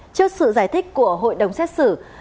trước sự giải thích của hội đồng xét xử